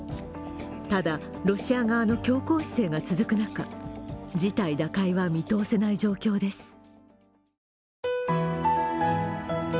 ただ、ロシア側の強硬姿勢が続く中事態打開は見通せない状況です。